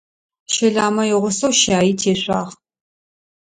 Щэламэ игъусэу щаи тешъуагъ.